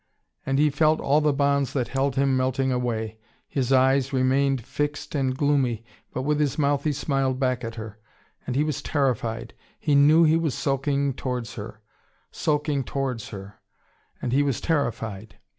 And he felt all the bonds that held him melting away. His eyes remained fixed and gloomy, but with his mouth he smiled back at her. And he was terrified. He knew he was sulking towards her sulking towards her. And he was terrified.